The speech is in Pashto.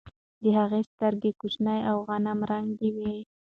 د هغې سترګې کوچنۍ او غنم رنګه وه.